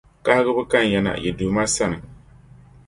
Kahigibu kan ya na yi Duuma sani.